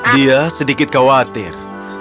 dia sedikit khawatir